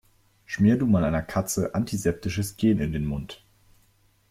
Schmier du mal einer Katze antiseptisches Gel in den Mund.